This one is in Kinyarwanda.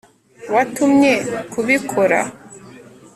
wantumye kubikora